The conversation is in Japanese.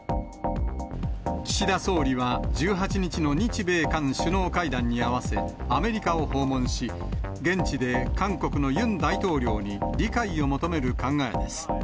岸田総理は、１８日の日米韓首脳会談に合わせ、アメリカを訪問し、現地で韓国のユン大統領に理解を求める考えです。